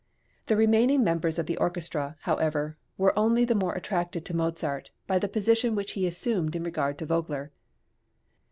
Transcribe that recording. The remaining members of the orchestra, however, were only the more attracted to Mozart by the position which he assumed in regard to Vogler.